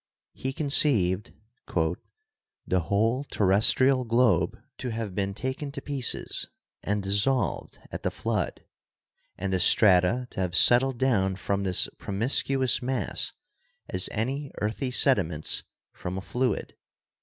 He conceived "the whole terrestrial globe to have been taken to pieces and dissolved at the flood and the strata to have settled down from this promiscuous mass as any earthy sediments from a fluid."